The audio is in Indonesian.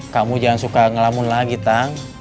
kamu jangan suka ngelamin lagi tang